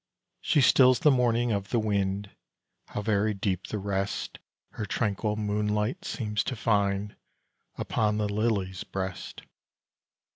She stills the mourning of the wind How very deep the rest Her tranquil moonlight seems to find Upon the lily's breast 1 100 THE SOUL'S EXILE.